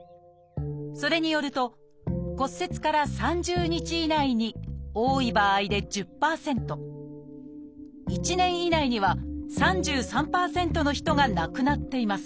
それによると骨折から３０日以内に多い場合で１０％１年以内には３３％の人が亡くなっています。